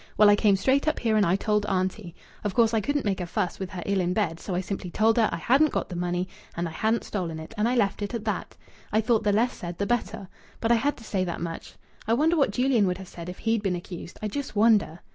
Well, I came straight up here and I told auntie. Of course I couldn't make a fuss, with her ill in bed. So I simply told her I hadn't got her money and I hadn't stolen it, and I left it at that. I thought the less said the better. But I had to say that much. I wonder what Julian would have said if he'd been accused. I just wonder!"